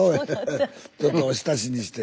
ちょっとおひたしにして。